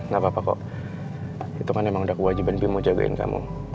gapapa kok itu kan emang udah kewajiban bimu jagain kamu